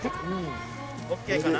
ＯＫかな？